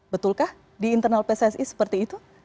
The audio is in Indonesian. betulkah di internal pssi seperti itu